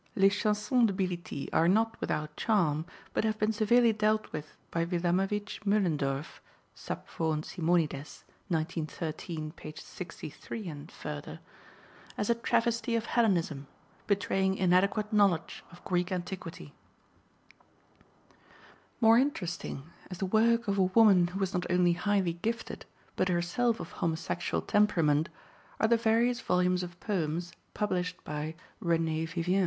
Les Chansons de Bilitis are not without charm, but have been severely dealt with by Wilamowitz Moellendorff (Sappho und Simonides, 1913, p. 63 et seq.) as "a travesty of Hellenism," betraying inadequate knowledge of Greek antiquity. More interesting, as the work of a woman who was not only highly gifted, but herself of homosexual temperament, are the various volumes of poems published by "Renée Vivien."